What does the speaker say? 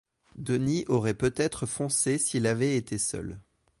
Denis aurait peut-être foncé s’il avait été seul.